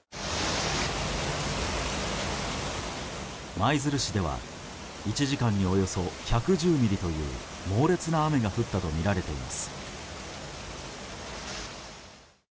舞鶴市では１時間におよそ１１０ミリという猛烈な雨が降ったとみられています。